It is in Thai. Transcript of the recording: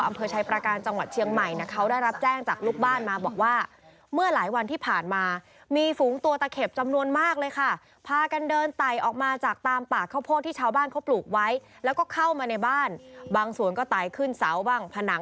อำเภอชัยประการจังหวัดเชียงใหม่นะเขาได้รับแจ้งจากลูกบ้านมาบอกว่า